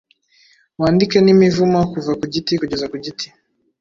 Wandike n'imivumo kuva ku giti kugeza ku giti,